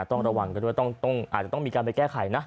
ต้องระวังกันด้วยอาจจะต้องมีการไปแก้ไขนะ